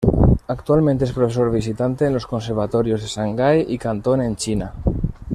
Actualmente es profesor visitante en los conservatorios de Shanghái y Cantón en China.